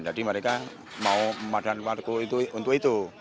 jadi mereka mau memadukan warga untuk itu